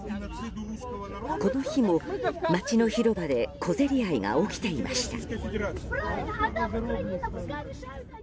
この日も、街の広場で小競り合いが起きていました。